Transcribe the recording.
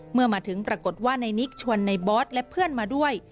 เมื่อมาถึงปรากฏว่าในนิกชวนในบอสและเพื่อนมาด้วย